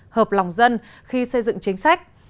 hợp lòng dân khi xây dựng chính sách